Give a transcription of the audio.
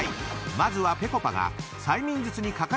まずはぺこぱが］